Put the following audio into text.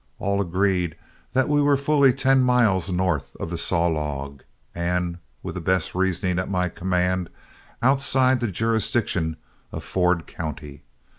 All agreed that we were fully ten miles north of the Saw Log, and, with the best reasoning at my command, outside the jurisdiction of Ford County.